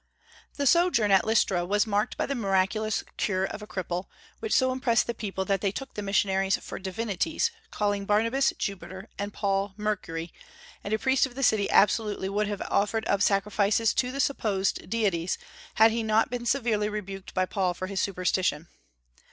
The sojourn at Lystra was marked by the miraculous cure of a cripple, which so impressed the people that they took the missionaries for divinities, calling Barnabas Jupiter, and Paul Mercury; and a priest of the city absolutely would have offered up sacrifices to the supposed deities, had he not been severely rebuked by Paul for his superstition.